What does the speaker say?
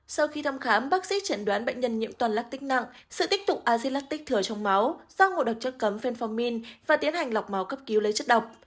sau khi thăm khám bác sĩ chẳng đoán bệnh nhân nhiễm toàn lactic nặng sự tích tụng azilactic thừa trong máu do ngộ độc chất cấm fenformin và tiến hành lọc máu cấp cứu lấy chất độc